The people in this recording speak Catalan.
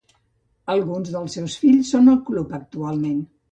Alguns dels seus fills són al club actualment.